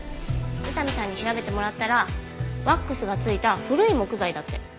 宇佐見さんに調べてもらったらワックスがついた古い木材だって。